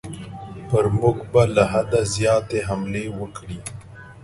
پر موږ به له حده زیاتې حملې وکړي.